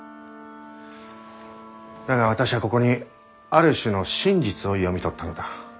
だが私はここにある種の真実を読み取ったのだ。